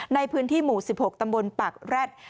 ในพื้นที่หมู่สิบหกตมปากแรด